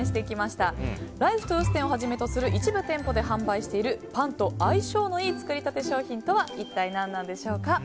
豊洲店をはじめとする一部店舗で販売しているパンと相性のいい作りたて商品とは一体何なんでしょうか。